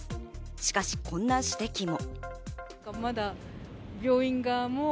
しかしこんな指摘も。